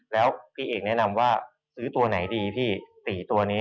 แล้วพี่เอกแนะนำว่าซื้อตัวไหนดีพี่๔ตัวนี้